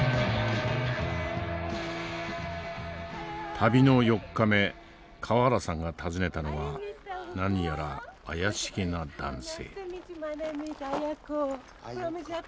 旅の４日目川原さんが訪ねたのは何やら怪しげな男性。